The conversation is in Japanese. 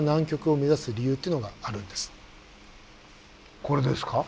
これですか？